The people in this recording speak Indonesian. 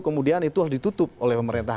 kemudian itulah ditutup oleh pemerintah